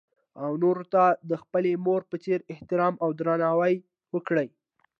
او هـم نـورو تـه د خـپلې مـور پـه څـېـر احتـرام او درنـاوى وکـړي.